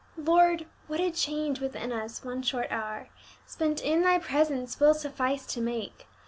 "Lord, what a change within us one short hour Spent in Thy presence will suffice to make!